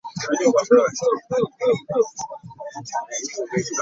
Nabbanja awaddeyo ku lwa gavumenti.